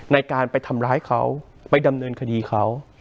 ในการไปทำร้ายเขาไปดำเนินคดีเขา